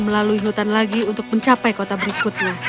melalui hutan lagi untuk mencapai kota berikutnya